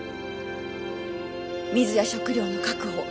水や食料の確保